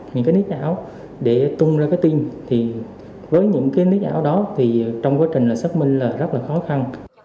những cái nít ảo để tung ra cái tin thì với những cái nít ảo đó thì trong quá trình là xác minh là rất là khó khăn